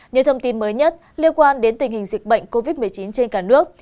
những thông tin mới nhất liên quan đến tình hình dịch bệnh covid một mươi chín trên cả nước